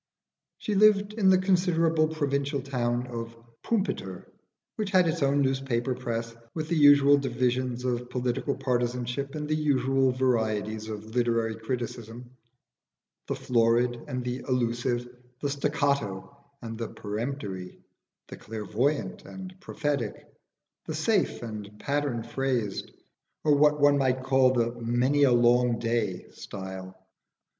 She lived in the considerable provincial town of Pumpiter, which had its own newspaper press, with the usual divisions of political partisanship and the usual varieties of literary criticism the florid and allusive, the staccato and peremptory, the clairvoyant and prophetic, the safe and pattern phrased, or what one might call "the many a long day style."